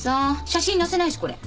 写真載せないしこれ。